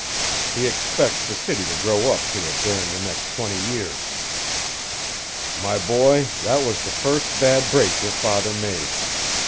He expects the city to grow up to it during the next twenty years. "My boy, that was the first bad break your father made.